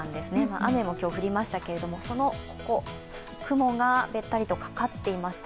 雨も今日、降りましたけれども、雲がべったりとかかっていました。